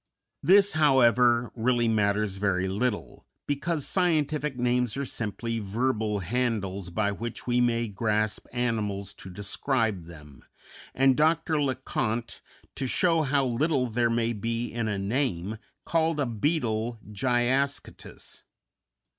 This, however, really matters very little, because scientific names are simply verbal handles by which we may grasp animals to describe them, and Dr. Le Conte, to show how little there may be in a name, called a beetle Gyascutus.